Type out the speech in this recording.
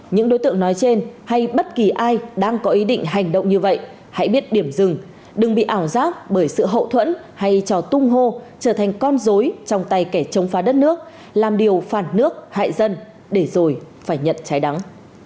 những đối tượng nói trên hay bất kỳ ai đang có ý định hành động như vậy hãy biết điểm rừng đừng bị ảo giác bởi sự hậu thuẫn hay trò tung hô trở thành con dối trong tay kẻ chống phá đất nước làm điều phản nước hại dân để rồi phải nhận trái đắng